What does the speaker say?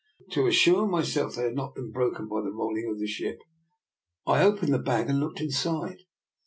To assure myself that they had not been broken by the rolling of the ship I opened the bag and looked inside.